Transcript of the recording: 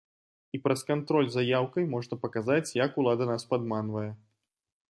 І праз кантроль за яўкай можна паказаць, як улада нас падманвае.